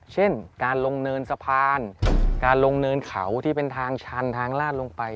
เช่นการลงเนินสะพานการลงเนินเขาที่เป็นทางชันทางลาดลงไป